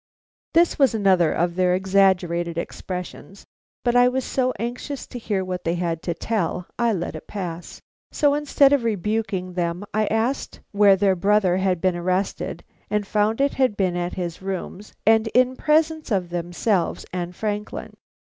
This was another of their exaggerated expressions, but I was so anxious to hear what they had to tell, I let it pass. So instead of rebuking them, I asked where their brother had been arrested, and found it had been at his rooms and in presence of themselves and Franklin.